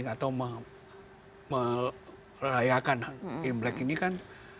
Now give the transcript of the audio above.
atau merayakan imlek ini kan